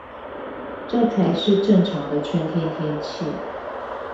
這才是正常的春天天氣